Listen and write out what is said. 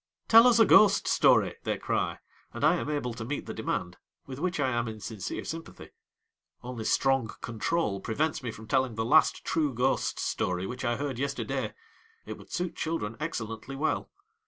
'Tell us a ghost story!' they cry, and I am able to meet the demand, with which I am in sincere sympathy. Only strong control prevents me from telling the last true ghost story which I heard yesterday. It would suit children excellently well.